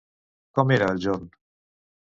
Com era el jorn?